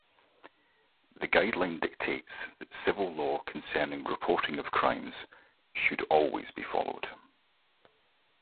The guideline dictates that Civil law concerning reporting of crimes... should always be followed.